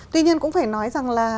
tuy nhiên cũng phải nói rằng là